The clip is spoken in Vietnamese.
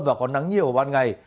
và có nắng nhiều vào ban ngày